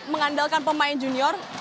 mengandalkan pemain junior